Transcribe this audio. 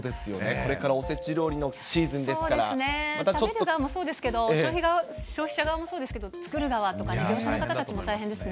これからおせ食べる側もそうですけど、消費者側もそうですけど、作る側、業者の方たちも大変ですね。